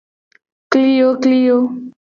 Kliyokliyo.